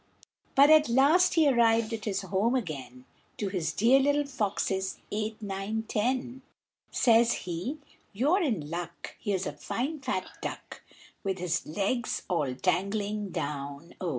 But at last he arrived at his home again, To his dear little foxes, eight, nine, ten, Says he "You're in luck, here's a fine fat duck With his legs all dangling down o!"